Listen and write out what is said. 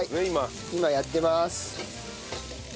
今やってます。